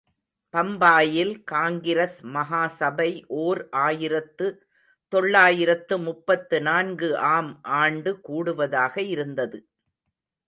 பம்பாயில் காங்கிரஸ் மகா சபை ஓர் ஆயிரத்து தொள்ளாயிரத்து முப்பத்து நான்கு ஆம் ஆண்டு கூடுவதாக இருந்தது.